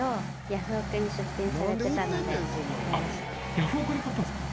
ヤフオクで買ったんですか。